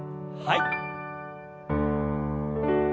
はい。